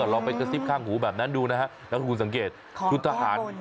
ลองไปกระซิบข้างหูแบบนั้นดูนะฮะแล้วคุณสังเกตชุดทหาร